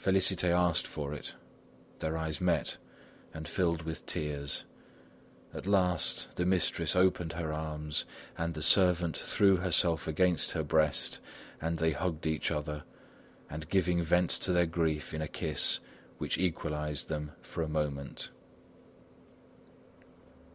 Félicité asked for it. Their eyes met and filled with tears; at last the mistress opened her arms and the servant threw herself against her breast and they hugged each other and giving vent to their grief in a kiss which equalized them for a moment.